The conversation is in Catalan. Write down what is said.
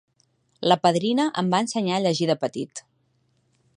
La padrina em va ensenyar a llegir de petit.